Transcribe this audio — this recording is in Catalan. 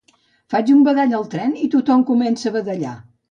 Faig un badall al tren i tothom comença a badallar